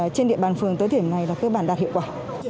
trên địa bàn phường tới thiểm này là cơ bản đạt hiệu quả